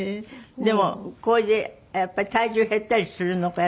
でもこれでやっぱり体重減ったりするの？